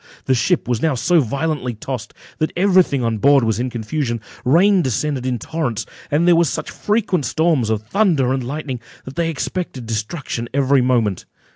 The ship was now so violently tossed, that every thing on board was in confusion; rain descended in torrents, and there were such frequent storms of thunder and lightning, that they expected destruction every moment.